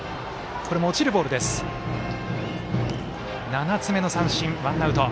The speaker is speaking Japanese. ７つ目の三振、ワンアウト。